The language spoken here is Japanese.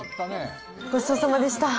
ごちそうさまでした！